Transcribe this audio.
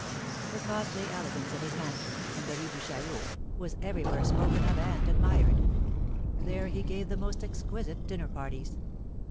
The costly elegance of his mansion, in the Rue de Chaillot, was everywhere spoken of and admired. There he gave the most exquisite dinner parties.